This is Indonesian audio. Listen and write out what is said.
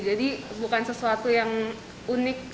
jadi bukan sesuatu yang unik